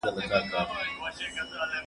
موږ غواړو په ټولنه کې اصلاحات راوړو.